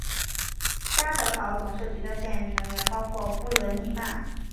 家得宝董事局的现任成员包括布伦尼曼。